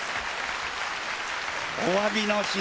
おわびの品